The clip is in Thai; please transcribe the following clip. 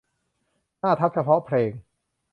หน้าทับเฉพาะเพลง